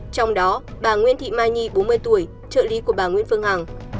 trong đó bà nguyễn thị mai nhi bốn mươi tuổi trợ lý của bà nguyễn phương hằng